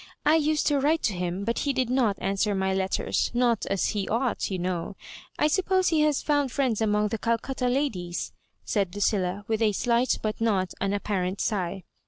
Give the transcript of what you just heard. I used to write to him, but he did not answer my letters — not as he ought, you know. I sup pose he has found friends among the Calcutta ladies," said Lucilla, with a slight but not unap parent sigh.